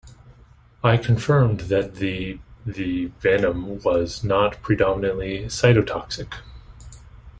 I confirmed that the the venom was not predominantly cytotoxic.